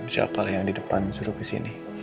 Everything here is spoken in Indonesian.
siapalah yang di depan suruh kesini